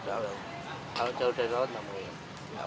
kalau jauh dari laut nggak mau ya